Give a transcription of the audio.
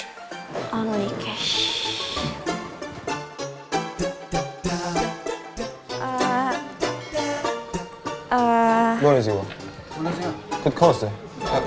tidak ada kartu